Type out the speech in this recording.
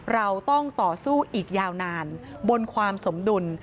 เราต้องต่อสู้อีกยาวนานบนความสมดุล